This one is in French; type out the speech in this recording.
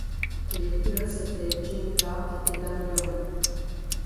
Les pilotes étaient Jim Clark et Dan Gurney.